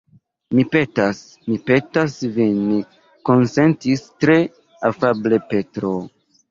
Mi petas, mi petas vin konsentis tre afable Petro.